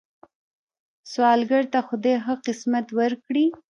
سوالګر ته خدای ښه قسمت ورکړي